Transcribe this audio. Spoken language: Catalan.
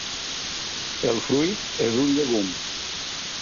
El fruit és un llegum.